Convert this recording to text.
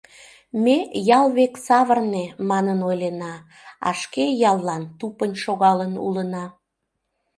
Ме «ял век савырне» манын ойлена, а шке яллан тупынь шогалын улына.